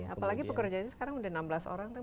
apalagi pekerjaan ini sekarang sudah enam belas orang kan